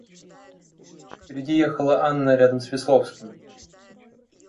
Впереди ехала Анна рядом с Весловским.